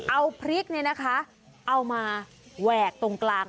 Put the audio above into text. เอาพริกเนี่ยนะคะเอามาแหวกตรงกลาง